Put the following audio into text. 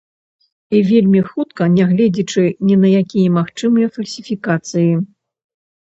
І вельмі хутка, нягледзячы ні на якія магчымыя фальсіфікацыі.